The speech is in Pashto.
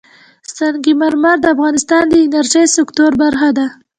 سنگ مرمر د افغانستان د انرژۍ سکتور برخه ده.